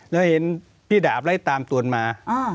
แล้วเห็นพี่ดาบไล่ตามตวนมา